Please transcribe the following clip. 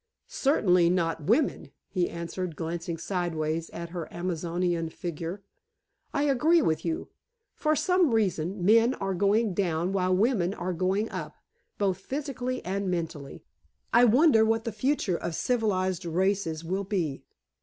"Certainly not women," he answered, glancing sideways at her Amazonian figure. "I agree with you. For some reason, men are going down while women are going up, both physically and mentally. I wonder what the future of civilized races will be."